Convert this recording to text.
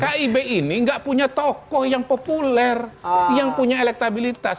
karena kib ini nggak punya tokoh yang populer yang punya elektabilitas